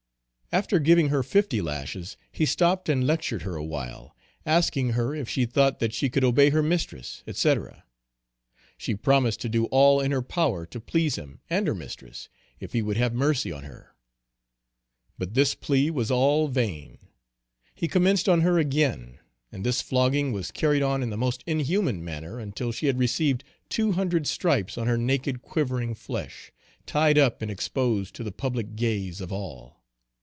After giving her fifty lashes, he stopped and lectured her a while, asking her if she thought that she could obey her mistress, &c. She promised to do all in her power to please him and her mistress, if he would have mercy on her. But this plea was all vain. He commenced on her again; and this flogging was carried on in the most inhuman manner until she had received two hundred stripes on her naked quivering flesh, tied up and exposed to the public gaze of all.